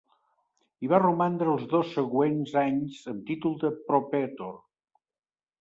Hi va romandre els dos següents anys amb títol de propretor.